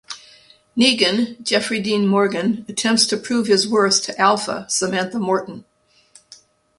Negan (Jeffrey Dean Morgan) attempts to prove his worth to Alpha (Samantha Morton).